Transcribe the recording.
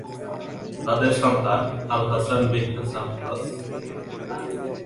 তাদের সন্তান: -আল হাসান বিন হাসান আস।